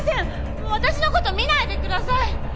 もう私のこと見ないでください！